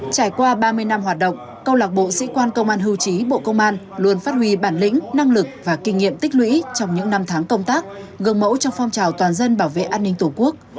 trải qua ba mươi năm hoạt động câu lạc bộ sĩ quan công an hưu trí bộ công an luôn phát huy bản lĩnh năng lực và kinh nghiệm tích lũy trong những năm tháng công tác gần mẫu trong phong trào toàn dân bảo vệ an ninh tổ quốc